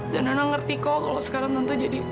dan nona ngerti kok kalau sekarang tante jadi